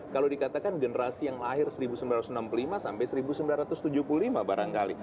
kalau dikatakan generasi yang lahir seribu sembilan ratus enam puluh lima sampai seribu sembilan ratus tujuh puluh lima barangkali